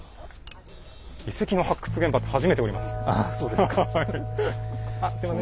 遺跡の発掘現場って初めて下ります。